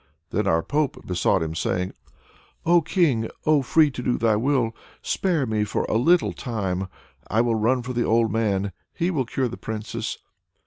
Then our Pope besought him, crying "O King! O free to do thy will! Spare me for a little time! I will run for the old man, he will cure the Princess."